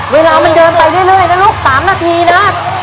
เวลามันเดินไปเรื่อยเรื่อยนะลูกสามนาทีน่ะ